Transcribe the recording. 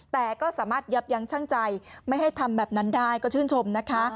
แต่ก็สามารถยับยั้งช่างใจไม่ให้ทำแบบนั้นได้ก็ชื่นชมนะคะ